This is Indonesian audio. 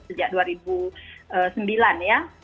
sejak dua ribu sembilan ya